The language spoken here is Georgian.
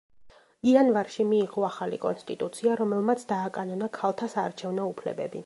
იანვარში მიიღო ახალი კონსტიტუცია, რომელმაც დააკანონა ქალთა საარჩევნო უფლებები.